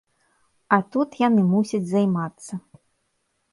А тут яны мусяць займацца.